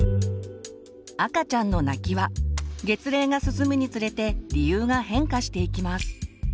赤ちゃんの泣きは月齢が進むにつれて理由が変化していきます。